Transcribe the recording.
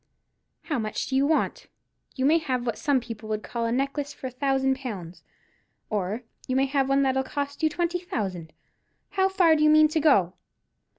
"How much do you want? You may have what some people would call a necklace for a thousand pounds, or you may have one that'll cost you twenty thousand. How far do you mean to go?"